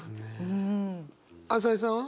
朝井さんは？